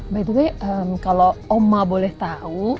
btw kalau oma boleh tahu